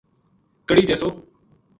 کڑی جیسو